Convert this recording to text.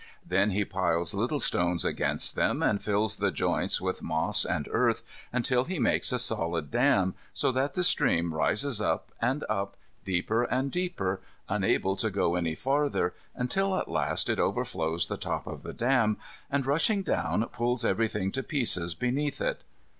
Then he piles little stones against them, and fills the joints with moss and earth until he makes a solid dam, so that the stream rises up and up, deeper and deeper, unable to go any farther, until at last it overflows the top of the dam and, rushing down, pulls everything to pieces beneath it.